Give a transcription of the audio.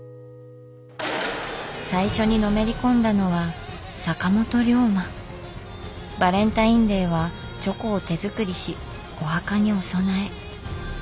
最初にのめり込んだのはバレンタインデーはチョコを手作りしお墓にお供え。